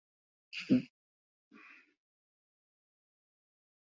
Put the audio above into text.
Dos habían sido las claves hasta ese momento en la eliminatoria.